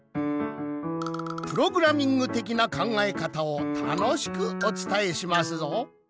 プログラミング的な考えかたをたのしくおつたえしますぞ。